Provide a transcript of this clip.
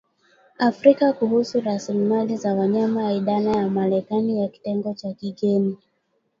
Afrika kuhusu Rasilimali za Wanyama Idara ya Marekani ya Kitengo cha Kigeni